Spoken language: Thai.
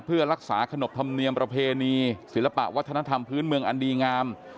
เพื่อรักษาขนบธรรมเนียมประเพณีศิลปะวัฒนธรรมพื้นเมืองอันดีงาม